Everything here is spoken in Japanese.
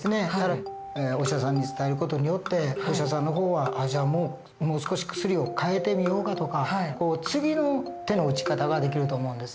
お医者さんに伝える事によってお医者さんの方は「じゃあもう少し薬を変えてみようか」とか次の手の打ち方ができると思うんですね。